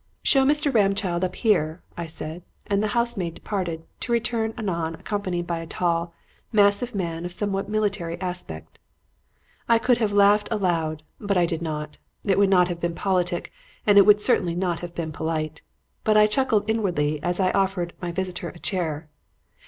"'Show Mr. Ramchild up here,' I said, and the housemaid departed, to return anon accompanied by a tall, massive man of a somewhat military aspect. "I could have laughed aloud, but I did not. It would not have been politic and it would certainly not have been polite. But I chuckled inwardly as I offered my visitor a chair.